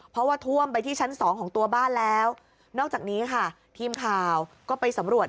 เพราะว่าท่วมไปที่ชั้นสองของตัวบ้านแล้วนอกจากนี้ค่ะทีมข่าวก็ไปสำรวจ